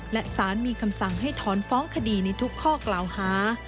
และสารมีคำสั่งให้ถอนฟ้องคดีในทุกข้อกล่าวหา